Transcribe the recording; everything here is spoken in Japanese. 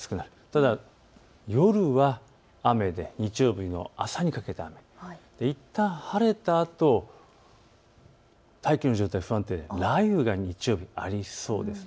ただ夜は雨で日曜日の朝にかけていったん晴れたあと、大気の状態不安定で雷雨が日曜日ありそうです。